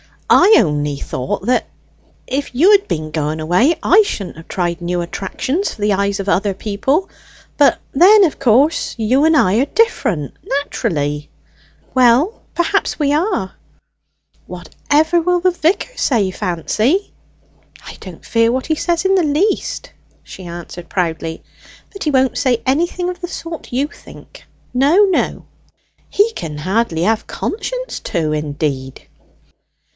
I only thought that if you had been going away, I shouldn't have tried new attractions for the eyes of other people. But then of course you and I are different, naturally." "Well, perhaps we are." "Whatever will the vicar say, Fancy?" "I don't fear what he says in the least!" she answered proudly. "But he won't say anything of the sort you think. No, no." "He can hardly have conscience to, indeed."